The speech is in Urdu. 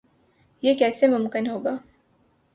یہ کیسے ممکن ہو گا؟